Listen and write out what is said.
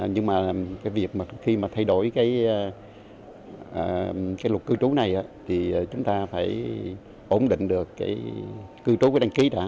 nhưng mà việc khi thay đổi lục cư trú này thì chúng ta phải ổn định được cư trú đăng ký đã